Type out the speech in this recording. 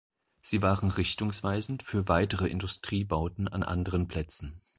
Sie waren richtungweisend für weitere Industriebauten an anderen Plätzen.